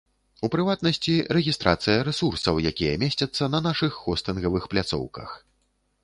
У прыватнасці, рэгістрацыя рэсурсаў, якія месцяцца на нашых хостынгавых пляцоўках.